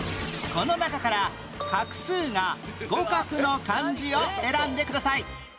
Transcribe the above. この中から画数が５画の漢字を選んでください